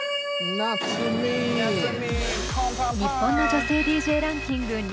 日本の女性ＤＪランキング